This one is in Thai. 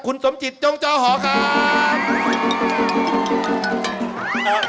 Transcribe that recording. คุณสมจิตจองจอหาว